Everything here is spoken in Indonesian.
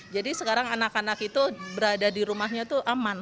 jadi sekarang anak anak itu berada di rumahnya itu aman